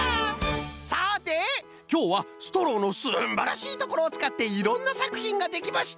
さてきょうはストローのすんばらしいところをつかっていろんなさくひんができました！